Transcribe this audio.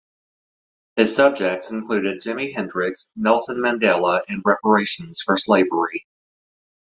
His subjects included Jimi Hendrix, Nelson Mandela, and reparations for slavery.